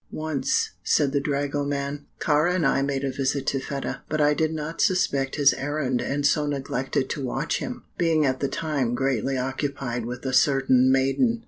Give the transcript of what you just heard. "Once," said the dragoman, "Kāra and I made a visit to Fedah; but I did not suspect his errand and so neglected to watch him, being at the time greatly occupied with a certain maiden.